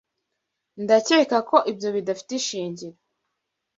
Ndakeka ko ibyo bidafite ishingiro.